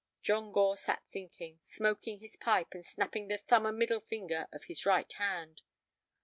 John Gore sat thinking, smoking his pipe, and snapping the thumb and middle finger of his right hand.